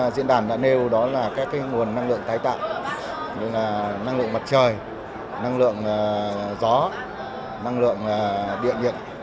điện đàn đã nêu đó là các nguồn năng lượng tái tạo năng lượng mặt trời năng lượng gió năng lượng điện nhận